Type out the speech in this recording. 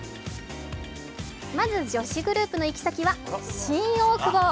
まず女子グループの行き先は新大久保。